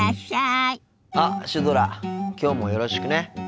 あっシュドラきょうもよろしくね。